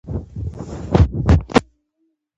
زما او ستا سودا لاس په لاس ورکول وو.